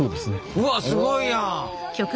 うわすごいやん！